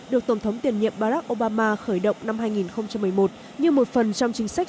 được tổng thống tiền nhiệm barack obama khởi động năm hai nghìn hai mươi